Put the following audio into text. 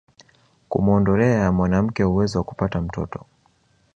kumuondolea mwanamke uwezo wa kupata mtoto